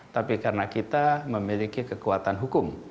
tapi karena kita memiliki kekuatan hukum